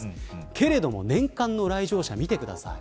けれども年間の来場者見てください。